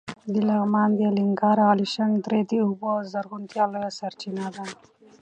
د لغمان د الینګار او الیشنګ درې د اوبو او زرغونتیا لویه سرچینه ده.